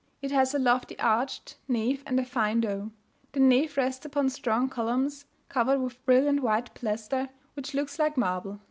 It has a lofty arched nave and a fine dome. The nave rests upon strong columns covered with brilliant white plaster, which looks like marble.